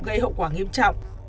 gây hậu quả nghiêm trọng